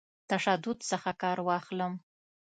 تشدد څخه کار واخلم.